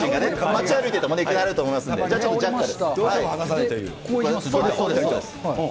街を歩いてても、いきなりあると思うんで、じゃあジャッカル。